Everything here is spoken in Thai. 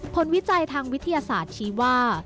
วิจัยทางวิทยาศาสตร์ชี้ว่า